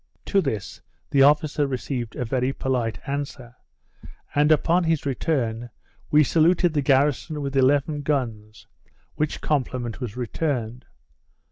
To this the officer received a very polite answer; and, upon his return, we saluted the garrison with eleven guns, which compliment was returned.